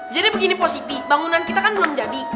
jadi begini positi bangunan kita kan belum jadi